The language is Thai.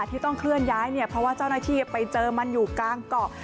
ที่ต้องเคลื่อนย้ายเนี่ยเพราะว่าเจ้าหน้าที่ไปเจอมันอยู่กลางเกาะ